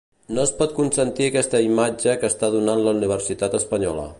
No es pot consentir aquesta imatge que està donant la universitat espanyola.